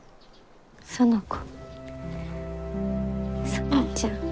園ちゃん。